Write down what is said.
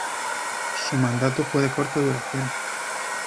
Su mandato fue de corta duración.